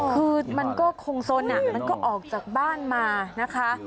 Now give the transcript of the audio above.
คือมันก็คงสนมันก็ออกจากบ้านมานะคะ